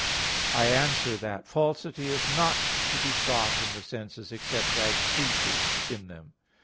I answer that, Falsity is not to be sought in the senses except as truth is in them.